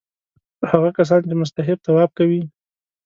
هغه کسان چې مستحب طواف کوي.